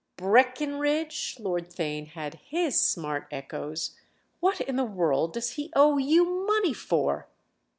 "'Breckenridge'—?" Lord Theign had his smart echoes. "What in the world does he owe you money for?"